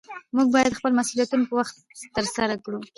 موږ باید خپل مسؤلیتونه په وخت ترسره کړو